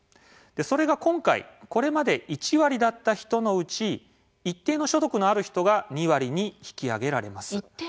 それが今回これまで１割だった人のうち一定の所得のある人が２割に引き上げられます。